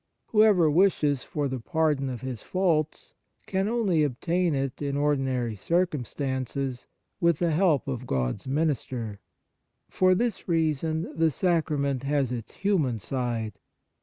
Whoever wishes for the pardon of his faults can only obtain it, in ordinary circumstances, with the help of God s minister. For this reason the sacrament has its human side.